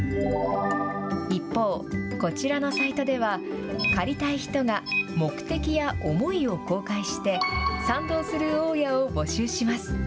一方、こちらのサイトでは、借りたい人が目的や思いを公開して、賛同する大家を募集します。